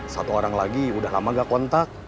satu orang lagi udah lama gak kontak